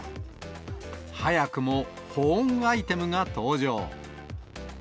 早くも保温アイテムが登場。